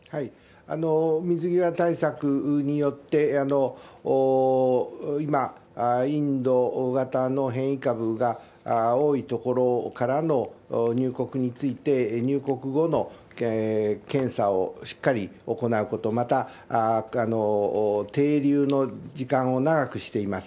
水際対策によって今、インド型の変異株が多い所からの入国について、入国後の検査をしっかり行うこと、また、停留の時間を長くしています。